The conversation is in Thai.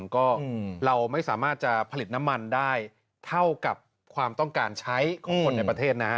ก็เราไม่สามารถจะผลิตน้ำมันได้เท่ากับความต้องการใช้ของคนในประเทศนะฮะ